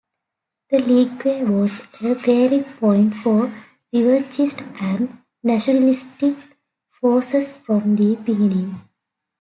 The league was a rallying point for revanchist and nationalistic forces from the beginning.